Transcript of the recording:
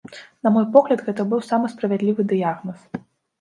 На мой погляд, гэта быў самы справядлівы дыягназ.